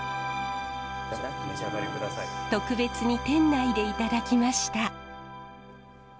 特別に店内でいただきました。